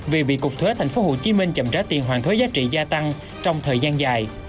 vì bị cục thuế thành phố hồ chí minh chậm trá tiền hoàn thuế giá trị gia tăng trong thời gian dài